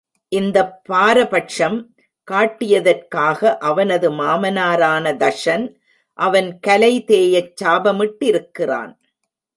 இந்தப் பாரபக்ஷம் காட்டியதற்காக அவனது மாமனாரான தக்ஷன், அவன் கலை தேயச் சாபமிட்டிருக்கிறான்.